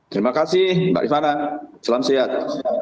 terima kasih mbak rifana selam sehat